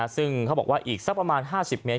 ซึ่งเขาบอกว่าอีกสักประมาณ๕๐เมตร